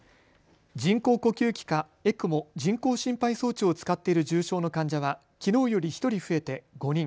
人工呼吸器かＥＣＭＯ・人工心肺装置を使っている重症の患者はきのうより１人増えて５人。